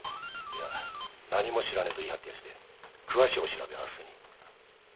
いや何も知らねえと言い張ってやして詳しいお調べは明日に。